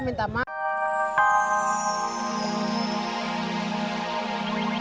bapaknya di pangkalan tukang ojek bang